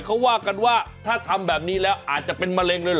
เขาว่ากันว่าถ้าทำแบบนี้แล้วอาจจะเป็นมะเร็งเลยเห